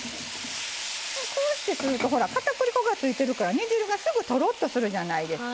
こうしてくるとかたくり粉がついてるから煮汁がすぐとろっとするじゃないですか。